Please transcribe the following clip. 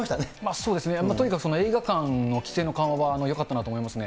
そうですね、とにかく、映画館の規制の緩和はよかったなと思いますね。